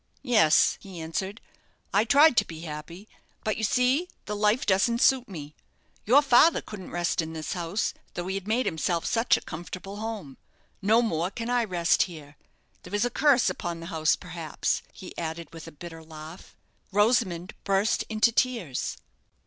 "Yes," he answered, "I tried to be happy; but you see, the life doesn't suit me. Tour father couldn't rest in this house, though he had made himself such a comfortable home. No more can I rest here. There is a curse upon the house, perhaps," he added, with a bitter laugh. Rosamond burst into tears.